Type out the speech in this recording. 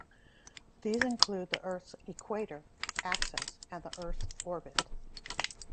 These include the Earth's equator, axis, and the Earth's orbit.